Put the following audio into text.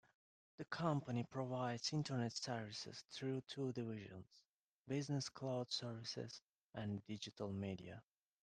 The company provides Internet services through two divisions: Business Cloud Services and Digital Media.